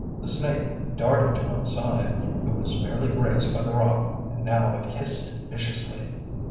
The snake darted to one side. It was merely grazed by the rock and now it hissed viciously.